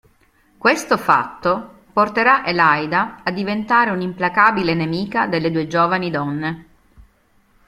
Questo fatto porterà Elaida a diventare una implacabile nemica delle due giovani donne.